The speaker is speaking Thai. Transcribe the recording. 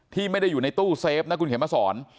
ที่ไม่ได้อยู่ในตู้เซฟนะคุณเขียนมาสอน